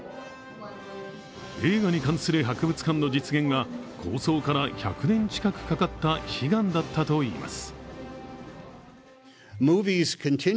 映画に関する博物館の実現は構想から１００年近くかかった悲願だったといいます。